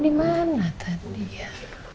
ada dimana tadi ya